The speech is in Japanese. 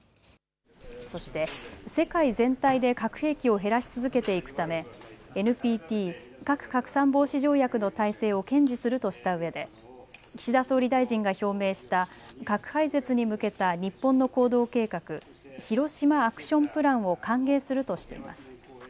そして、世界全体で核兵器を減らし続けていくため、ＮＰＴ・核拡散防止条約の体制を堅持するとしたうえで、岸田総理大臣が表明した、核廃絶に向けた日本の行動計画、ヒロシマ・アクション・プランを歓迎するとしています。